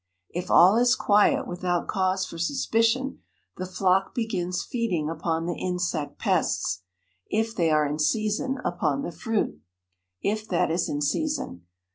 If all is quiet without cause for suspicion, the flock begins feeding upon the insect pests, if they are in season; upon the fruit, if that is in season.